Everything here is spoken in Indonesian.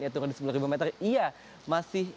dia turun di sepuluh meter iya masih